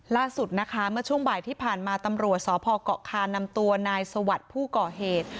ล่าสุดนะคะเมื่อช่วงบ่ายที่ผ่านมาตำรวจสพเกาะคานำตัวนายสวัสดิ์ผู้ก่อเหตุ